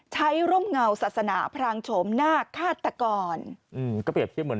ร่มเงาศาสนาพรางโฉมหน้าฆาตกรอืมก็เปรียบเทียบเหมือน